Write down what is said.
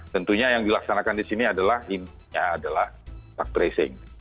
tentunya yang dilaksanakan di sini adalah kontak tracing